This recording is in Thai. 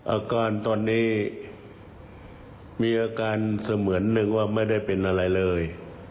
อาการตอนนี้มีอาการเสมือนหนึ่งว่าไม่ได้เป็นอะไรเลย